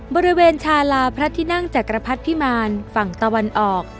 บริเวณชาลาพระที่นั่งจักรพรรดิพิมารฝั่งตะวันออก